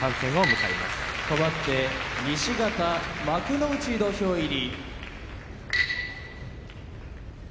かわって西方幕内土俵入り。